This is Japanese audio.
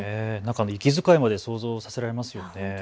息遣いまで想像させられますよね。